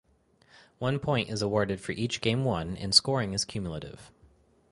One point is awarded for each game won and scoring is cumulative.